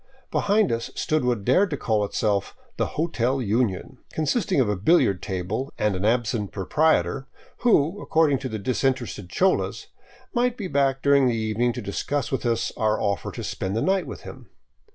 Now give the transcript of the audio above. Behind us stood what dared to call itself the " Hotel Union," consisting of a billiard table and an absent proprietor, who, according to the disinterested cholas, might be back during the evening to dis cuss with us our offer to spend the night with him.